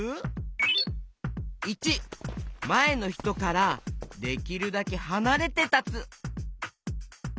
①まえのひとからできるだけはなれてたつ。